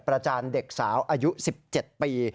จานเด็กสาวอายุ๑๗ปี